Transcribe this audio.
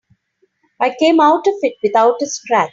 I came out of it without a scratch.